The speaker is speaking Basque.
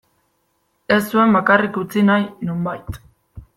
Ez zuen bakarrik utzi nahi, nonbait.